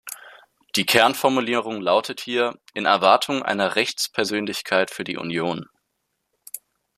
Die Kernformulierung lautet hier "in Erwartung einer Rechtspersönlichkeit für die Union".